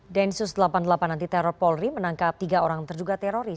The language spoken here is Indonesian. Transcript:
densus delapan puluh delapan anti teror polri menangkap tiga orang terduga teroris